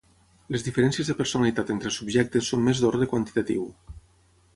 Les diferències de personalitat entre subjectes són més d'ordre quantitatiu.